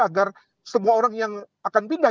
agar semua orang yang akan pindah